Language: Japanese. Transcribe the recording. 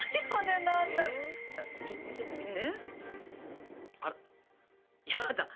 ちょっと見せてみて。